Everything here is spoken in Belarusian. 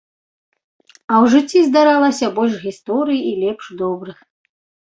А ў жыцці здаралася больш гісторый, і лепш добрых.